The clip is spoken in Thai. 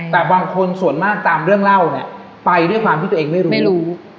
แต่บางคนส่วนมากตามเรื่องเล่าไปด้วยความที่ตัวเองไม่รู้